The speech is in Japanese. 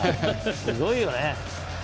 すごいよね。